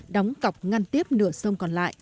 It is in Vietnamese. đóng cọc ngăn tiếp nước